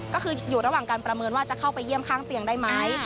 ก็คืออยู่ระหว่างการประเมินว่าจะเข้าไปเยี่ยมข้างเตียงได้ไหม